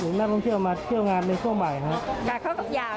ลูกชิ้นยืนกินบนสถานีรถไฟค่ะ